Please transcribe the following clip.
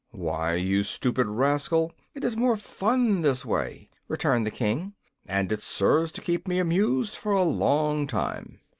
"Why, you stupid rascal, it is more fun this way," returned the King, "and it serves to keep me amused for a long time."